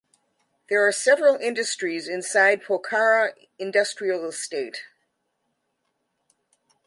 There are several industries inside Pokhara Industrial Estate.